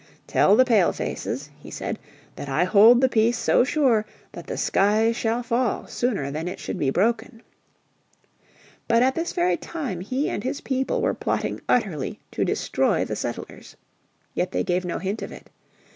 "Tell the Pale faces," he said, "that I hold the peace so sure that the skies shall fall sooner than it should be broken." But at this very time he and his people were plotting utterly to destroy the settlers. Yet they gave no hint of it.